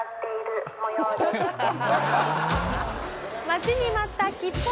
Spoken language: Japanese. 待ちに待った吉報。